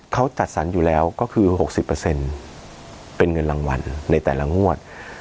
เขาจัดสรรอยู่แล้วก็คือ๖๐เป็นเงินรางวัลในแต่ละงวด